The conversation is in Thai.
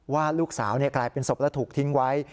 ว่าลูกสาวกลายเป็นศพและถูกทิ้งไว้